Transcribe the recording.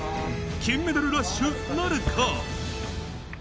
金メダルラッシュなるか？